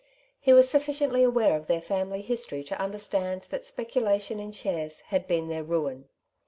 He was sufficiently aware of their family history to understand that speculation in shares had been their ruin.